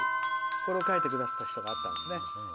これを書いてくださった人があったんですね。